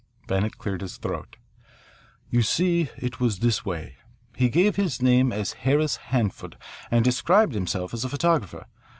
Bennett cleared his throat. "You see, it was this way. He gave his name as Harris Hanford and described himself as a photographer.